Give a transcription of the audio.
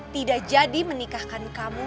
tidak jadi menikahkan kamu